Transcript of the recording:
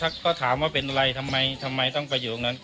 ก็ถามว่าเป็นอะไรทำไมทำไมต้องไปอยู่ตรงนั้น